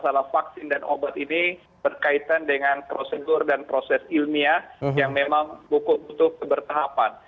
masalah vaksin dan obat ini berkaitan dengan prosedur dan proses ilmiah yang memang butuh kebertahapan